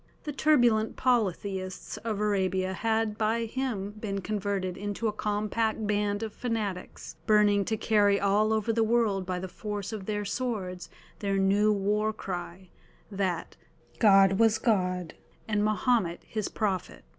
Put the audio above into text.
The turbulent polytheists of Arabia had by him been converted into a compact band of fanatics, burning to carry all over the world by the force of their swords their new war cry, that "God was God, and Mahomet His prophet."